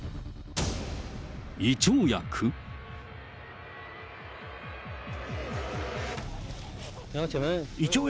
胃腸薬？